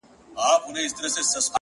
ژوند د درسونو مجموعه ده تل-